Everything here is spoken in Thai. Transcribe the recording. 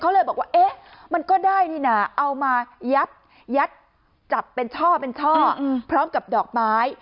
เขาเลยบอกว่าเอ๊ะมันก็ได้นี่นะเอามายัดยัดจับเป็นช่อเป็นช่อพร้อมกับดอกไม้